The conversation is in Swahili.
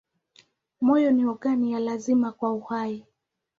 Moyo ni ogani ya lazima kwa uhai.